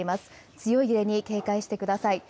強い揺れに警戒してください。